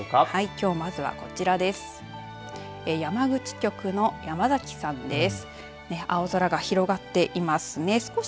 きょう、まずはこちらです。